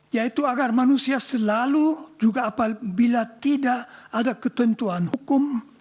yaitu agar manusia selalu juga apabila tidak ada ketentuan hukum